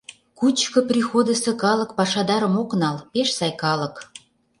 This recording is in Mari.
Кучко приходысо калык пашадарым ок нал, пеш сай калык.